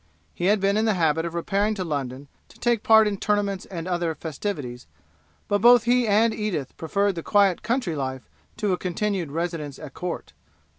He had been in the habit of repairing to London to take part in the tournaments and other festivities; but both he and Edith preferred the quiet country life to a continued residence at court.